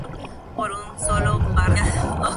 Tuvo un hijo llamado Carlos Somerset, conde de Worcester.